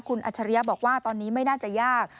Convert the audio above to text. คุณอัจฉริยะบอกว่าตอนนี้ไม่น่าจะยาก